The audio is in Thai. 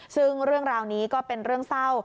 ซึ่งเรื่องราวนี้ก็เป็นเรื่องเศร้า